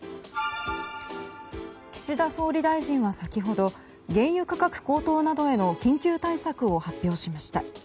岸田総理大臣は先ほど原油価格高騰などへの緊急対策を発表しました。